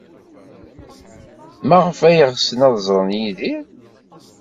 Maɣef ay ɣsen ad ẓren Yidir?